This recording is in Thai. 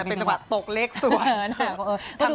เป็นจังหวะตกเลขสวย